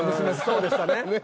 そうでしたね。